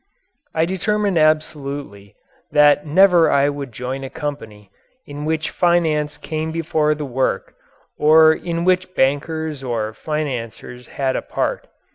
I determined absolutely that never would I join a company in which finance came before the work or in which bankers or financiers had a part.